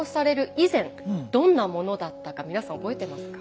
以前どんなものだったか皆さん覚えてますか？